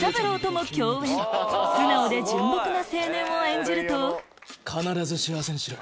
素直で純朴な青年を演じると必ず幸せにしろよ。